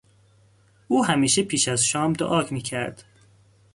او همیشه پیش از شام دعا میکرد.